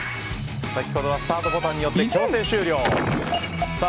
先ほどはスタートボタンによって強制終了。